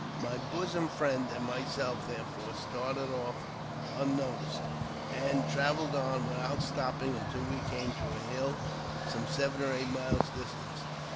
My bosom friend and myself therefore started off unnoticed, and travelled on without stopping until we came to a hill some seven or eight miles distant.